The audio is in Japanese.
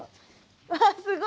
うわすごい！